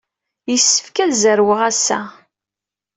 Yessefk ad zerweɣ ass-a.